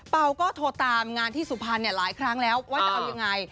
เปล่าก็โทรตามงานที่สุพรรณหลายครั้งแล้วว่าจะเอายังไง